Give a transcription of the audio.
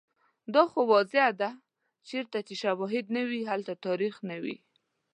دا خو واضحه ده چیرته چې شوهد نه وي، هلته تاریخ نه وي